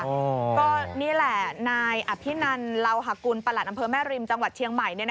ก็นี่แหละนายอภินันลาวหากุลประหลัดอำเภอแม่ริมจังหวัดเชียงใหม่